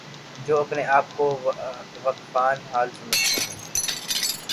جو اپنے آپ کو واقفان حال سمجھتے ہیں۔